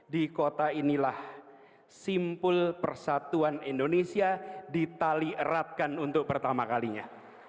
di kota inilah simpul persatuan indonesia ditali eratkan untuk pertama kalinya